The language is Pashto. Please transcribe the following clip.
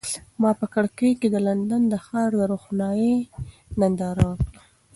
ما په کړکۍ کې د لندن د ښار د روښنایۍ ننداره وکړه.